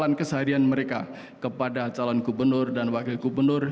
dan persoalan keseharian mereka kepada calon gubernur dan wakil gubernur